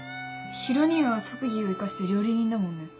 ヒロ兄は特技を生かして料理人だもんね。